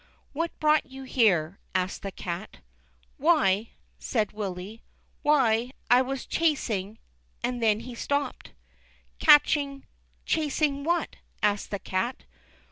" What brought you here ?" asked the cat. " Why "— said Willie, " why — I was chasing "— and then he stopped. " Chasing what ?" asked the cat.